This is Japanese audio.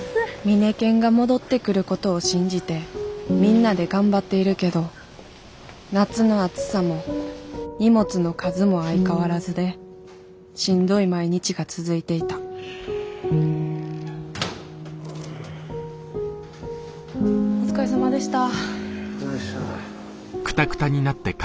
ミネケンが戻ってくることを信じてみんなで頑張っているけど夏の暑さも荷物の数も相変わらずでしんどい毎日が続いていたお疲れさまでした。